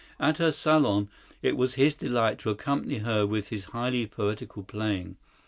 At her salon it was his delight to accompany her with his highly poetical playing.